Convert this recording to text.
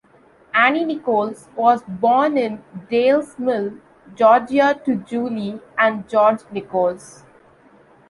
Anne Nichols was born in Dales Mill, Georgia to Julie and George Nichols.